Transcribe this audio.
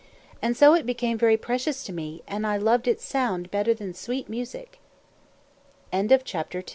And so it became very precious to me, and I loved its sound better than sweet music." [Illus